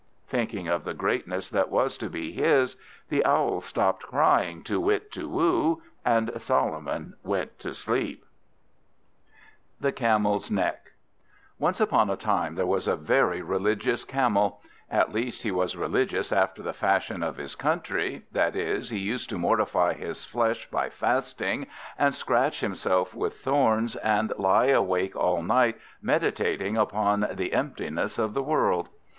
Thinking of the greatness that was to be his, the Owl stopped crying Too whit! too woo! and Solomon went to sleep. The Camel's Neck ONCE upon a time there was a very religious Camel; at least, he was religious after the fashion of his country, that is, he used to mortify his flesh by fasting, and scratch himself with thorns, and lie awake all night meditating upon the emptiness of the world.